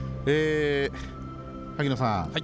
萩野さん